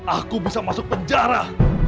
aku bisa masuk penjara